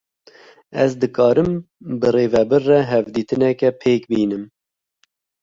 Ez dikarim bi rêvebir re hevdîtinekê pêk bînim?